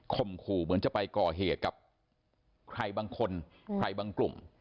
ขู่เหมือนจะไปก่อเหตุกับใครบางคนใครบางกลุ่ม